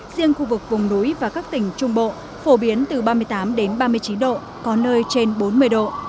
riêng khu vực vùng núi và các tỉnh trung bộ phổ biến từ ba mươi tám ba mươi chín độ có nơi trên bốn mươi độ